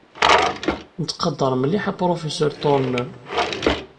Nettqadar mliḥ apṛufisur Turner.